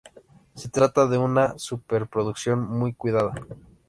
Se trata de una superproducción muy cuidada.